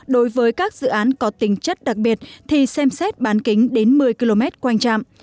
đối với các dự án có tính chất đặc biệt thì xem xét bán kính đến một mươi km quanh trạm